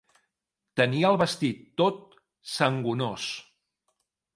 Tenia el vestit tot sangonós.